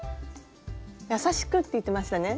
優しくって言ってましたね。